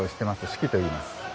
志岐といいます。